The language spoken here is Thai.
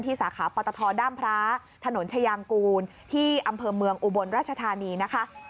สาขาปตท้ามพระถนนชายางกูลที่อำเภอเมืองอุบลราชธานีนะคะ